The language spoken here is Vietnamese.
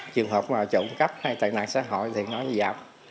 trường hợp trộm cắp hay tệ nạn xã hội thì nó giảm